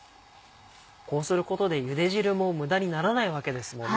こうすることでゆで汁も無駄にならないわけですもんね。